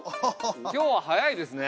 今日は早いですね。